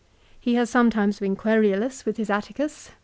He has sometimes been querulous with his Atticus.